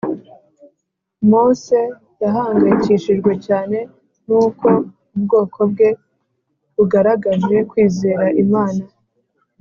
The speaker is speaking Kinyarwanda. mose yahangayikishijwe cyane n’uko ubwoko bwe bugaragaje kwizera imana guke